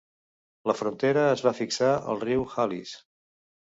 La frontera es va fixar al riu Halis.